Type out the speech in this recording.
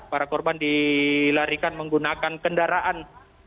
para korban dilarikan menggunakan kendaraan